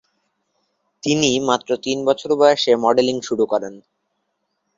তিনি মাত্র তিন বছর বয়সে মডেলিং শুরু করেন।